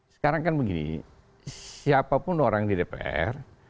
sekarang kan begini siapapun orang di dpr